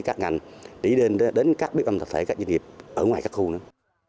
các ngành đi đến các biểu âm thực tế các doanh nghiệp ở ngoài các khu nữa